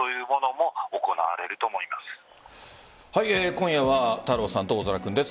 今夜は太郎さんと大空君です。